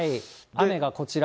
雨がこちら。